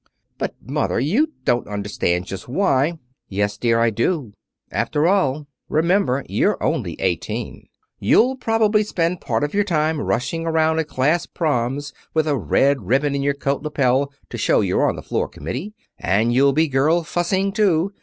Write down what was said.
"But, mother, you don't understand just why " "Yes, dear 'un, I do. After all, remember you're only eighteen. You'll probably spend part of your time rushing around at class proms with a red ribbon in your coat lapel to show you're on the floor committee. And you'll be girl fussing, too.